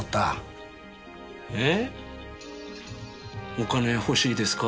お金欲しいですか？